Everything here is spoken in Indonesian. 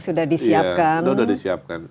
sudah disiapkan sudah disiapkan